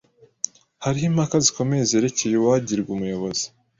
Hariho impaka zikomeye zerekeye uwagirwa umuyobozi